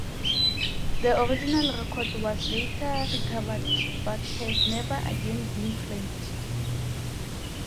The original record was later recovered but has never again been played.